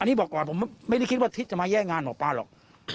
อันนี้บอกก่อนผมไม่ได้คิดว่าทิศจะมาแย่งงานหมอปลาหรอก